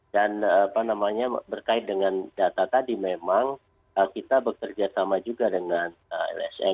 dan berkait dengan data tadi memang kita bekerja sama juga dengan lsm